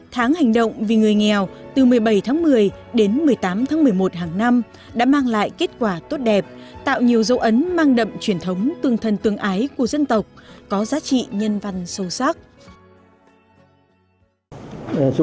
một mươi bảy tháng một mươi đến một mươi tám tháng một mươi một hàng năm đã mang lại kết quả tốt đẹp tạo nhiều dấu ấn mang đậm truyền thống tương thân tương ái của dân tộc có giá trị nhân văn sâu sắc